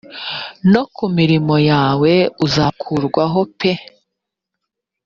no ku mirimo yawe uzakurwaho pe